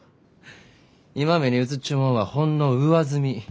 今目に映っちゅうもんはほんの上澄み。